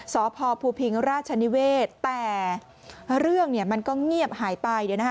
สพภูพิงราชนิเวศแต่เรื่องมันก็เงียบหายไป